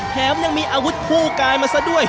แถมยังมีอาวุธคู่กายมาซะด้วย